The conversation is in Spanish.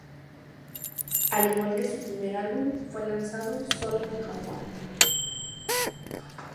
Al igual que su primer álbum, fue lanzado sólo en Japón.